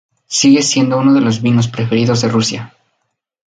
Sigue siendo uno de los vinos preferidos de Rusia.